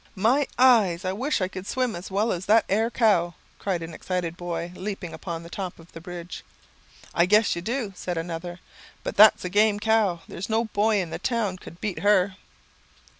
"My eyes! I wish I could swim as well as that ere cow," cried an excited boy, leaping upon the top of the bridge. "I guess you do," said another. "But that's a game cow. There's no boy in the town could beat her."